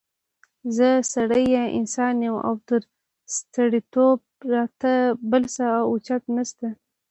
زه سړی یا انسان يم او تر سړیتوبه را ته بل څه اوچت نشته